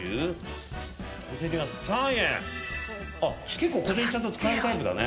結構小銭ちゃんと使えるタイプだね。